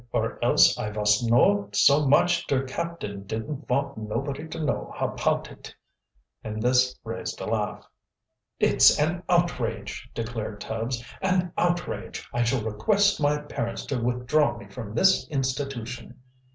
"Or else I vos know so much der captain didn't vont nobody to know apout it," and this raised a laugh. "It's an outrage!" declared Tubbs. "An outrage! I shall request my parents to withdraw me from the institution."